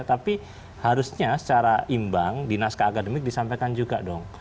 tapi harusnya secara imbang di naskah akademik disampaikan juga dong